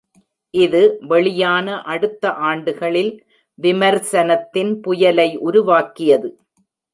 இது "வெளியான அடுத்த ஆண்டுகளில் விமர்சனத்தின் புயலை உருவாக்கியது".